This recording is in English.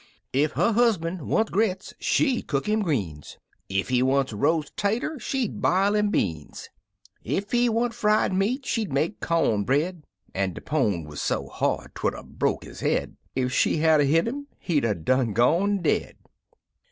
Ef her husban' want grits she'd cook him greens, Ef he want roas' tater she'd bile 'im beans, Ef he want fried meat she'd make corn bread, An' de pone wuz so hard 'twould 'a' broke his head — Ef she but had 'a' hit 'im he'd 'a' done gone dead!